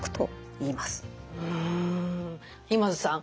今津さん